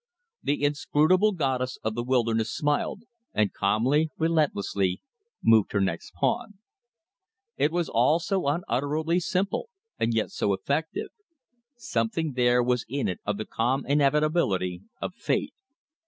The inscrutable goddess of the wilderness smiled, and calmly, relentlessly, moved her next pawn. It was all so unutterably simple, and yet so effective. Something there was in it of the calm inevitability of fate.